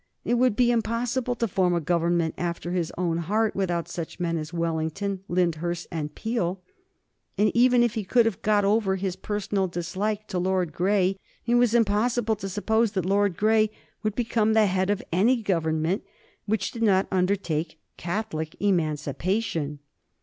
It would be impossible to form a Government after his own heart without such men as Wellington, Lyndhurst, and Peel, and even if he could have got over his own personal dislike to Lord Grey, it was impossible to suppose that Lord Grey would become the head of any Government which did not undertake Catholic Emancipation.